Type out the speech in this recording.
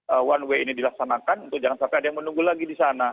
one way ini dilaksanakan untuk jangan sampai ada yang menunggu lagi di sana